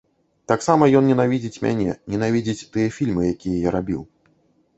Таксама ён ненавідзіць мяне, ненавідзіць тыя фільмы, якія я рабіў.